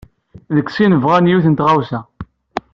Deg sin bɣan yiwet n tɣawsa.